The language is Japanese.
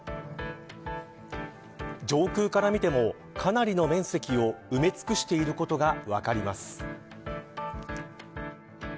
上空から見てもかなりの面積を埋め尽くしていることが分かります。